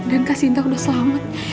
dan kak sinta udah selamat